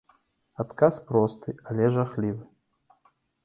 Адказ просты, але жахлівы.